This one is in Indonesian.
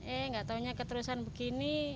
eh gak taunya keterusan begini